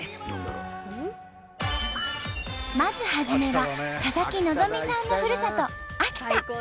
まず初めは佐々木希さんのふるさと秋田。